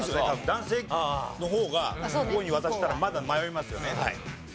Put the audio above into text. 男性の方が向こうに渡したらまだ迷いますよね。